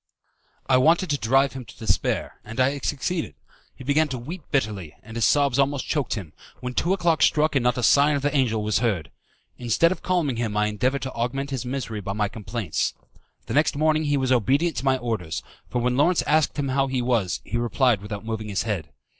I wanted to drive him to despair, and I had succeeded. He began to weep bitterly, and his sobs almost choked him, when two o'clock struck and no sign of the angel was heard. Instead of calming him I endeavoured to augment his misery by my complaints. The next morning he was obedient to my orders, for when Lawrence asked him how he was, he replied without moving his head.